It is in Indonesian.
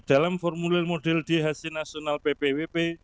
dalam formulir model d hasil nasional ppwp